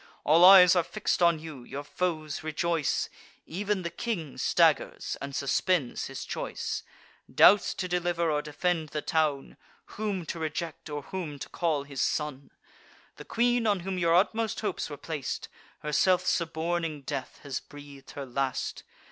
All eyes are fix'd on you: your foes rejoice; Ev'n the king staggers, and suspends his choice; Doubts to deliver or defend the town, Whom to reject, or whom to call his son. The queen, on whom your utmost hopes were plac'd, Herself suborning death, has breath'd her last.